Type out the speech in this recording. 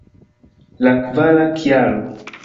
La kvara kialo!